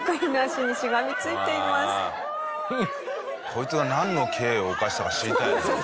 こいつがなんの刑を犯したか知りたいね。